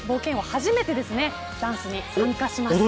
初めてでダンスに参加します。